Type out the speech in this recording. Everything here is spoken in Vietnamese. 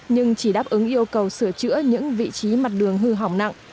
nhưng chỉ đáp ứng yêu cầu sửa chữa những vị trí mặt đường hư hỏng nặng